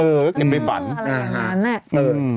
เออเก็บไปฝันอะไรอย่างนั้น